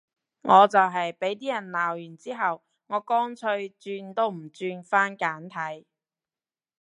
我就係畀啲人鬧完之後，我乾脆轉都唔轉返簡體